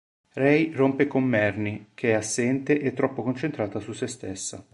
Ray rompe con Marnie, che è assente e troppo concentrata su sé stessa.